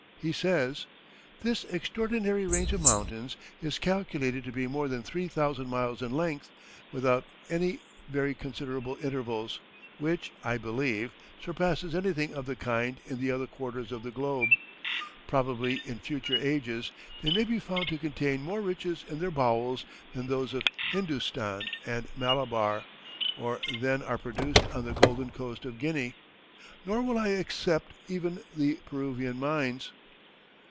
He says: "This extraordinary range of mountains is calculated to be more than three thousand miles in length, without any very considerable intervals, which, I believe, surpasses anything of the kind in the other quarters of the globe. Probably, in future ages, they may be found to contain more riches in their bowels than those of Hindostan and Malabar, or than are produced on the golden coast of Guinea, nor will I except even the Peruvian mines.